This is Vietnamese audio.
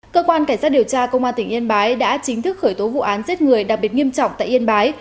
cơ quan cảnh sát điều tra công an tỉnh yên bái đã chính thức khởi tố vụ án giết người đặc biệt nghiêm trọng tại yên bái